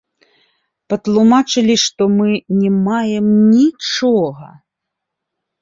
Патлумачылі, што мы не маем нічога!